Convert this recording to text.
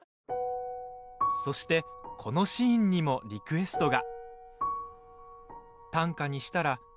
そして、このシーンにもリクエストが。